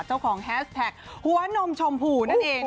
เจ้าของแฮสแท็กหัวนมชมผูนั่นเอง